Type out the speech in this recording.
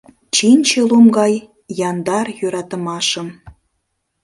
Чинче лум гай яндар йӧратымашым